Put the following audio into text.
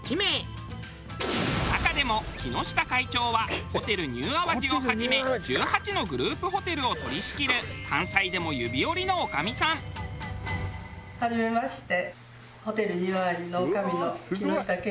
中でも木下会長はホテルニューアワジをはじめ１８のグループホテルを取り仕切る関西でも指折りの女将さん。はじめまして。